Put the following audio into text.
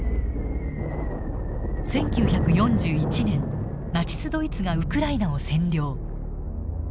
１９４１年ナチスドイツがウクライナを占領。